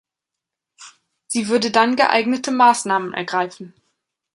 Sie würde dann geeignete Maßnahmen ergreifen.